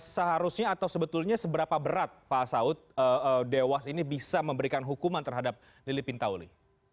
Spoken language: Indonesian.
seharusnya atau sebetulnya seberapa berat pak saud dewas ini bisa memberikan hukuman terhadap lili pintauli